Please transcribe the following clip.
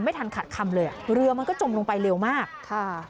ไม่ทันขัดคำเลยอ่ะเรือมันก็จมลงไปเร็วมากค่ะ